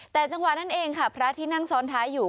แต่จังหวะนั้นเองค่ะพระที่นั่งซ้อนท้ายอยู่